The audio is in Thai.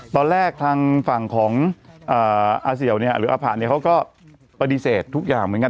ตอนแรกทางฝั่งของอาเสี่ยวเนี่ยหรืออภะเนี่ยเขาก็ปฏิเสธทุกอย่างเหมือนกัน